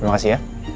terima kasih ya